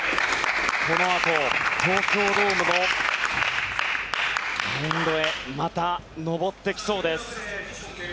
このあと東京ドームのマウンドへまた上ってきそうです。